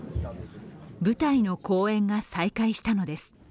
舞台の公演が再開したのです。